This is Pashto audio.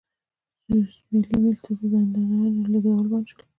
سوېلي ویلز ته د زندانیانو لېږدول بند شول.